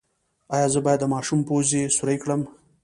ایا زه باید د ماشوم پوزه سورۍ کړم؟